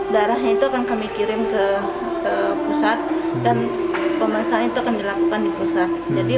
darahnya itu akan kami kirim ke pusat dan pemeriksaan itu akan dilakukan di pusat jadi